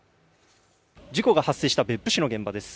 事故が発生した別府市の現場です。